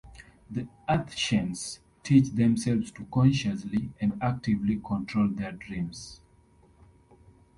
The Athsheans teach themselves to consciously and actively control their dreams.